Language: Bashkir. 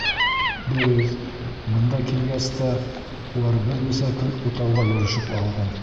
Дөрөҫ, бында килгәс тә, улар бер нисә көн утауға йөрөшөп алды.